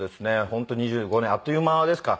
本当２５年あっという間ですか。